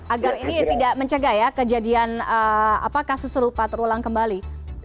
agar ini tidak mencegah ya kejadian kasus serupa terulang kembali